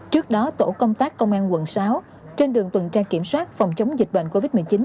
trước đó tổ công tác công an quận sáu trên đường tuần tra kiểm soát phòng chống dịch bệnh covid một mươi chín